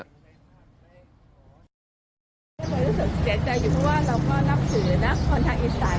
รู้สึกเสียใจอยู่ว่าเราก็นับถือนะคนทางอิสราย์ก็